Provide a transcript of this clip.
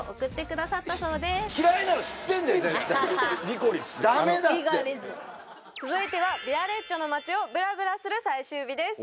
リコリス続いてはヴィアレッジョの街をブラブラする最終日です